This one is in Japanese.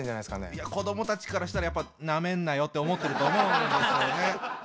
いや子どもたちからしたらやっぱなめんなよって思ってると思うんですよね。